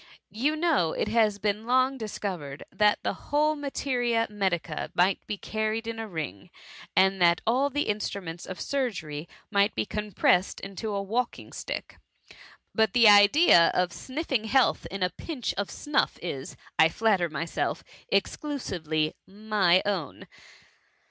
You know it has been long discovered, that the whole materia medica might be carried in a ring, and that all the instruments of sur gery might be compressed into a walking stick. But the idea of sniffing health in a pinch of snuff is, I flatter myself, exclusively my own."